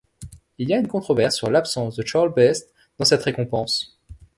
Il y a une controverse sur l'absence de Charles Best dans cette récompense.